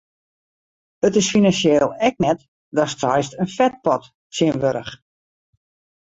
It is finansjeel ek net datst seist in fetpot tsjinwurdich.